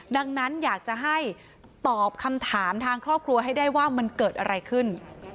ดังนั้นอยากจะให้ตอบคำถามทางครอบครัวให้ได้ว่ามันเกิดอะไรขึ้น